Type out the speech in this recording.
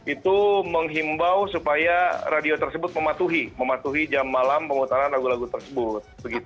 itu menghimbau supaya radio tersebut mematuhi jam malam pemutaran lagu lagu tersebut